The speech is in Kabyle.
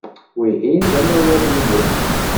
Wihin d amawal-inu.